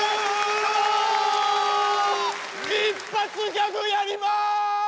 一発ギャグやります！